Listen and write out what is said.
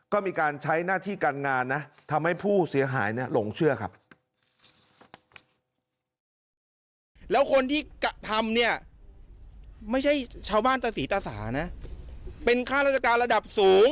ก็มีการใช้หน้าที่การงานนะทำให้ผู้เสียหายหลงเชื่อครับ